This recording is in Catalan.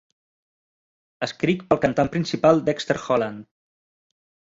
Escrit pel cantant principal Dexter Holland.